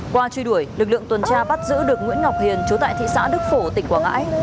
qua truy đuổi lực lượng tuần tra bắt giữ được nguyễn ngọc hiền chú tại thị xã đức phổ tỉnh quảng ngãi